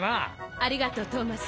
ありがとうトーマス。